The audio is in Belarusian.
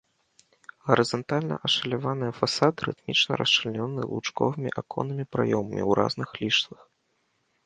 Гарызантальна ашаляваныя фасады рытмічна расчлянёны лучковымі аконнымі праёмамі ў разных ліштвах.